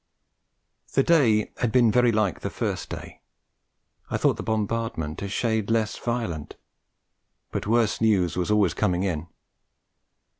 The day between had been very like the first day. I thought the bombardment a shade less violent; but worse news was always coming in.